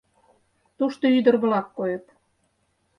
Тушто ӱдыр-влак койыт.